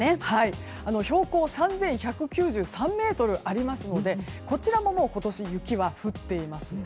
標高が３１９３ｍありますのでこちらももう今年、雪は降っています。